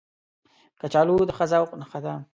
کچالو د ښه ذوق نښه ده